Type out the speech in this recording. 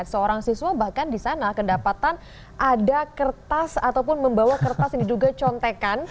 seorang siswa bahkan di sana kedapatan ada kertas ataupun membawa kertas yang diduga contekan